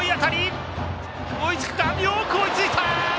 よく追いついた！